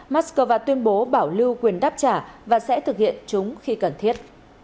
moscow tuyên bố bảo lưu quyền đáp trả và sẽ thực hiện chúng khi cần thiết